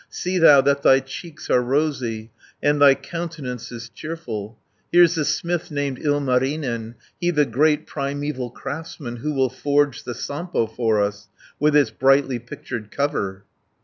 See thou that thy cheeks are rosy, And thy countenance is cheerful. 230 Here's the smith named Ilmarinen, He the great primeval craftsman, Who will forge the Sampo for us, With its brightly pictured cover."